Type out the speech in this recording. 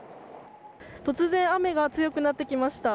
突然、雨が強くなってきました。